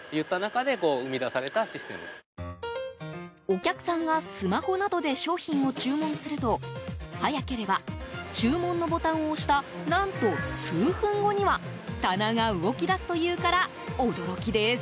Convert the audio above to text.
お客さんがスマホなどで商品を注文すると早ければ、注文のボタンを押した何と数分後には棚が動き出すというから驚きです。